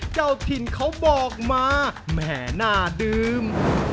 เจ้าถิ่นเขาบอกมาแม่น่าดื่ม